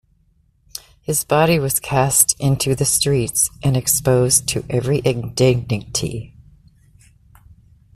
His body was cast into the streets, and exposed to every indignity.